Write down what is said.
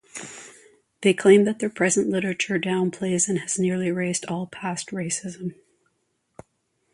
They claim that their present literature downplays and has nearly erased all past racism.